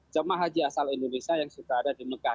jemaah haji asal indonesia yang sudah ada di mekah